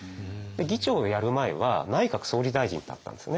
議長をやる前は内閣総理大臣だったんですね。